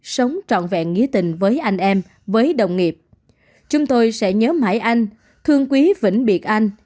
sống trọn vẹn nghĩa tình với anh em với đồng nghiệp chúng tôi sẽ nhớ mãi anh thương quý vĩnh biệt anh